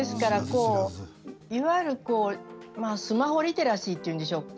いわゆるスマホリテラシーというんでしょうか。